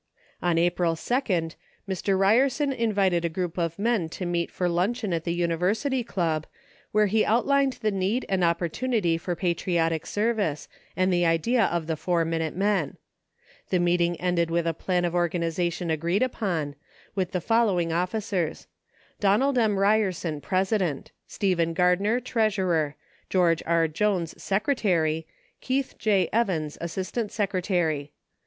On April 2, Mr. Ryerson invited a group of men to meet for luncheon at the University Club, where he out lined the need and opportunity for patriotic service, and the idea of the Four Minute Men. The meeting ended with a plan of organization agreed upon, with the fol lowing officers : Donald M. Ryerson, President ; Stephen Gardner, Treasurer; George R. Jones, Secretary; Keith J. Evans, Assistant Secretary.